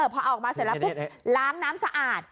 พอออกมาเสร็จแล้วปุ๊บล้างน้ำสะอาด